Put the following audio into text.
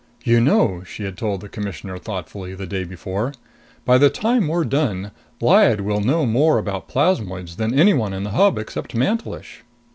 "You know," she had told the Commissioner thoughtfully the day before, "by the time we're done, Lyad will know more about plasmoids than anyone in the Hub except Mantelish!"